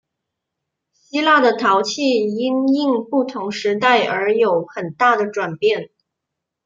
希腊的陶器因应不同时代而有很大的转变。